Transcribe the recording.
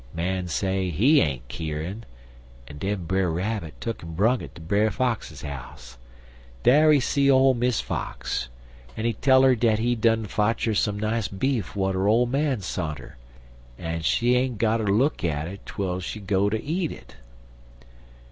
Man say he ain't keerin', en den Brer Rabbit tuck'n brung it ter Brer Fox house. Dar he see ole Miss Fox, en he tell 'er dat he done fotch her some nice beef w'at 'er ole man sont 'er, but she ain't gotter look at it twel she go ter eat it.